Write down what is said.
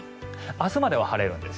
明日までは晴れるんです。